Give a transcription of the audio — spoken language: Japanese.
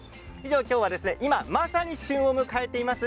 きょうは、今まさに旬を迎えています